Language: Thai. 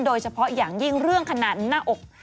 โดยเฉพาะอย่างยิ่งเรื่องขนาดหน้าอก